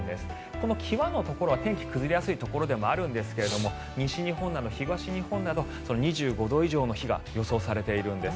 この際のところは、天気が崩れやすいところなんですが西日本など東日本など２５度以上の日が予想されているんです。